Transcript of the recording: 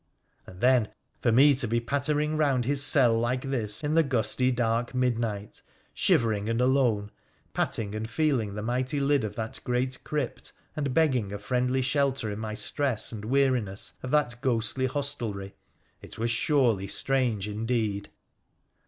And then for me to be pattering round his cell like this in the gustydark midnight, shivering and alone, patting and feeling the mighty lid of that great crypt, and begging a friendly shelter in my stress and weariness of that ghostly hostelry — it was surely strange indeed.